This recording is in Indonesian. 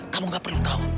kamu nggak perlu tahu